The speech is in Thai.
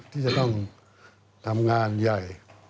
ที่จะต้องทำงานใหญ่